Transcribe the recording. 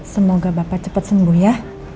semoga bapak cepat sembuh ya